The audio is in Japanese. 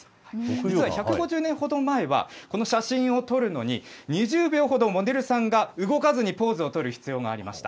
実は１５０年ほど前は、この写真を撮るのに、２０秒ほどモデルさんが動かずにポーズを取る必要がありました。